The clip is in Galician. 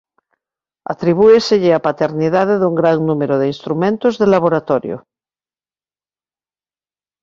Atribúeselle a paternidade dun gran número de instrumentos de laboratorio.